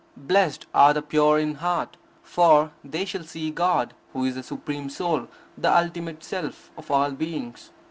Blessed are the pure in heart, for they shall see God, who is the supreme Soul; the ultimate Self of all beings.